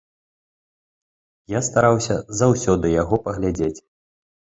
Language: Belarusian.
Я стараўся заўсёды яго паглядзець.